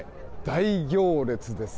大行列です。